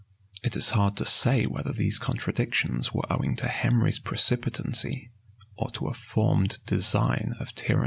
It is hard to say whether these contradictions were owing to Henry's precipitancy, or to a formed design of tyranny.